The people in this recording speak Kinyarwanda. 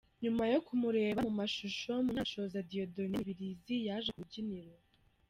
Nyuma yo kumureba mumashusho, Munyanshoza Dieudonné Mibirizi yaje ku rubyiniro.